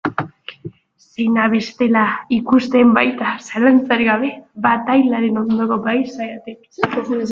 Zeina bestela ikusten baita, zalantzarik gabe, batailaren ondoko paisaiatik.